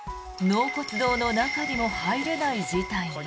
納骨堂の中にも入れない事態に。